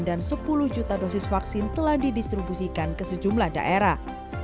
dan sepuluh juta dosis vaksin telah didistribusikan ke sejumlah daerah